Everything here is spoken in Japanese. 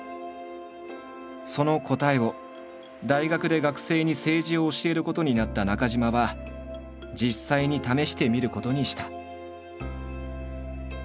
その答えを大学で学生に政治を教えることになった中島は実際に試してみることにした。